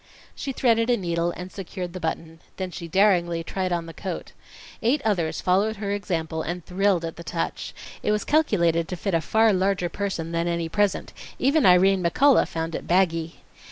She threaded a needle and secured the button. Then she daringly tried on the coat. Eight others followed her example and thrilled at the touch. It was calculated to fit a far larger person than any present. Even Irene McCullough found it baggy.